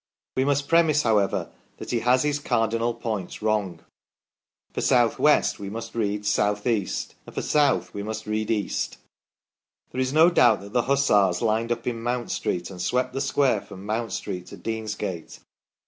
We must premise, however, that he has his cardinal points wrong. For " south west" we must read " south east," and for " south" we must read "east". There is no doubt that the Hussars lined up in Mount Street, and swept the square from Mount Street to Deansgate.